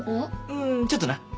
うんちょっとな。